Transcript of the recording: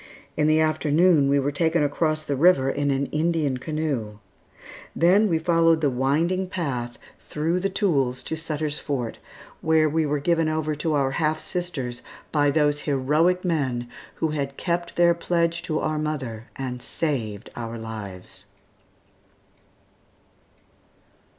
In the afternoon we were taken across the river in an Indian canoe. Then we followed the winding path through the tules to Sutter's Fort, where we were given over to our half sisters by those heroic men who had kept their pledge to our mother and saved our lives.